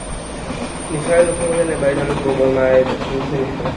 নিসার আলি লক্ষ করলেন, এ-বাড়ি যেন প্রবল মায়ায় বেঁধে ফেলেছে নীলুকে।